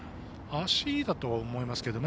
足だと思いますけどね。